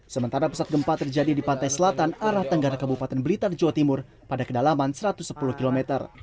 sementara pusat gempa terjadi di pantai selatan arah tenggara kabupaten blitar jawa timur pada kedalaman satu ratus sepuluh km